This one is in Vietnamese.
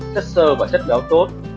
chất sơ và chất béo tốt